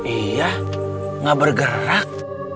iya gak bergerak